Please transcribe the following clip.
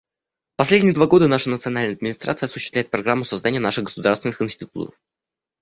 В последние два года наша национальная администрация осуществляет программу создания наших государственных институтов.